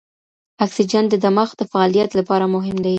اکسیجن د دماغ د فعالیت لپاره مهم دی.